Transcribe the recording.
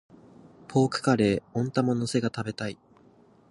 ポークカレー、温玉乗せが食べたい。